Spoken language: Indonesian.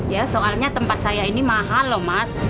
ya soalnya tempat saya ini mahal loh mas